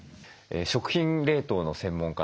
食品冷凍の専門家